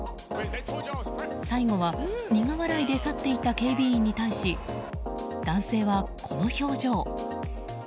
最後は苦笑いで去って行った警備員に対し男性はこの表情。